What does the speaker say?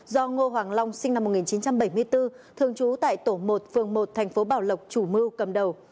do ngô hoàng long sinh năm một nghìn chín trăm bảy mươi bốn thường trú tại tổ một phường một thành phố bảo lộc chủ mưu cầm đầu